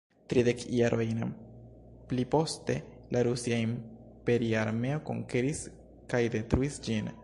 Tridek jarojn pli poste, la rusia imperia armeo konkeris kaj detruis ĝin.